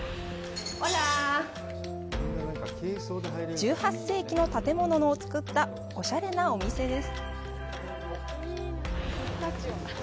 １８世紀の建物を使ったおしゃれなお店です。